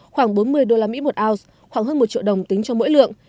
khoảng bốn mươi usd một ounce khoảng hơn một triệu đồng tính cho mỗi lượng